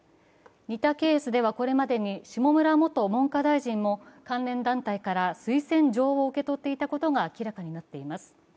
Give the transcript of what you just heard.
似たケースではこれまでに下村元文科大臣も関連団体から推薦状を受け取っていたことが明らかになっています。